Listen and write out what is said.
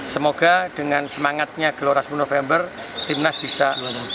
semoga dengan semangatnya gelora sepuluh november timnas bisa